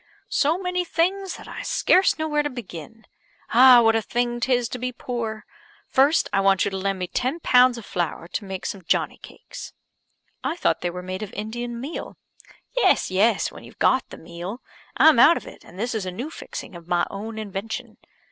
"So many things that I scarce know where to begin. Ah, what a thing 'tis to be poor! First, I want you to lend me ten pounds of flour to make some Johnnie cakes." "I thought they were made of Indian meal?" "Yes, yes, when you've got the meal. I'm out of it, and this is a new fixing of my own invention.